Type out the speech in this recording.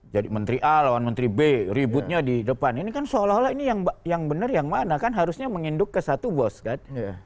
jadi menteri a lawan menteri b ributnya di depan ini kan seolah olah ini yang bener yang mana kan harusnya menginduk ke satu bos kan